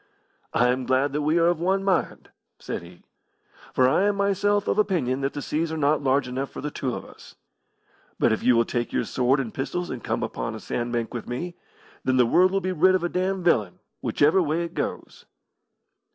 "I am glad that we are of one mind," said he, "for I am myself of opinion that the seas are not large enough for the two of us. But if you will take your sword and pistols and come upon a sand bank with me, then the world will be rid of a damned villain, whichever way it goes."